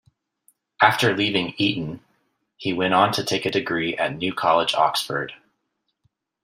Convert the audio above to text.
After leaving Eton, he went on to take a degree at New College, Oxford.